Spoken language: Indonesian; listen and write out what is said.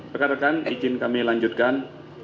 rekan rekan izin kami lanjutkan